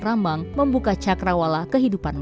berarti ini diperkirakan adalah dapur dari